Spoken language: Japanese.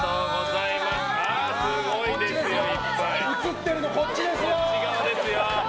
映ってるのこっちですよ！